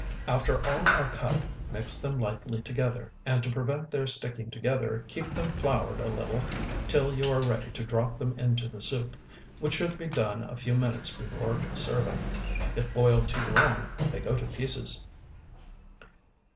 After all are cut, mix them lightly together, and to prevent their sticking together keep them floured a little till you are ready to drop them into the soup, which should be done a few minutes before serving. If boiled too long they go to pieces.